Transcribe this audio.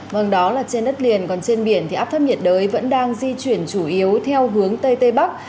vâng đó là trên đất liền còn trên biển thì áp thấp nhiệt đới vẫn đang di chuyển chủ yếu theo hướng tây tây bắc